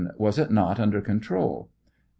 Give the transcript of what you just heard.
Was it not under control ? A.